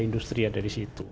industri dari situ